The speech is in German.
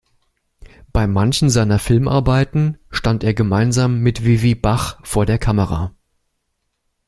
Bei manchen seiner Filmarbeiten stand er gemeinsam mit Vivi Bach vor der Kamera.